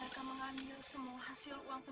sama jadi merek